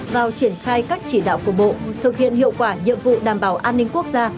vào triển khai các chỉ đạo của bộ thực hiện hiệu quả nhiệm vụ đảm bảo an ninh quốc gia